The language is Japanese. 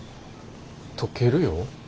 溶けるよ？